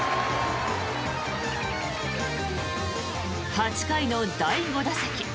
８回の第５打席。